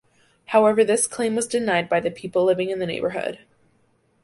However this claim was denied by the people living in the neighbourhood.